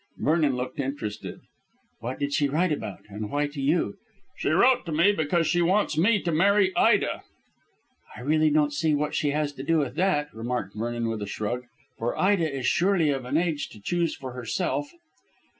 Vernon looked interested. "What did she write about, and why to you?" "She wrote to me because she wants me to marry Ida." "I really don't see what she has to do with that," remarked Vernon with a shrug; "for Ida is surely of an age to choose for herself."